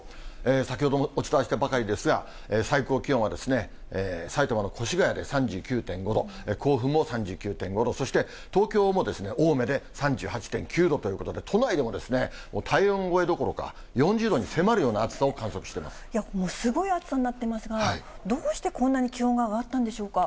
先ほどもお伝えしたばかりですが、最高気温は埼玉の越谷で３９．５度、甲府も３９．５度、そして、東京も青梅で３８．９度ということで、都内でも体温超えどころか、４０度に迫るような暑さを観測しすごい暑さになってますが、どうしてこんなに気温が上がったんでしょうか。